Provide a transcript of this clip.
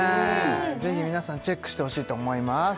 ぜひ皆さんチェックしてほしいと思います